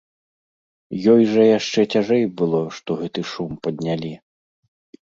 Ёй жа яшчэ цяжэй было, што гэты шум паднялі.